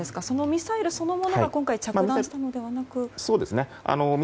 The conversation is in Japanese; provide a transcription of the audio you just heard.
ミサイルそのものが今回、着弾したのではなく。